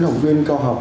học viên cao học